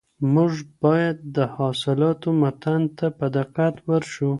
موږ بايد د حالاتو متن ته په دقت ورشو.